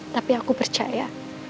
tapi aku percaya